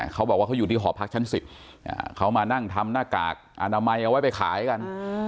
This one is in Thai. เขาบอกว่าเขาอยู่ที่หอพักชั้น๑๐เขามานั่งทำหน้ากากอนามัยเอาไว้ไปขายกัน